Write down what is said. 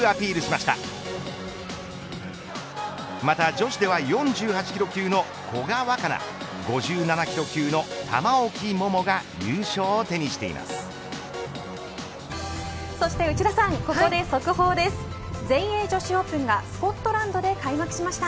また、女子では４８キロ級の古賀若菜５７キロ級の玉置桃が優勝を手にしています。